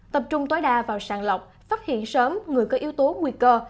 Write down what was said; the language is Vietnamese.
tập trung tối đa vào sàng lọc phát hiện sớm người có yếu tố nguy cơ